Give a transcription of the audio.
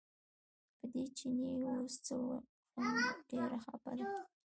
په دې چیني اوس څه وکړو ډېر خپه دی.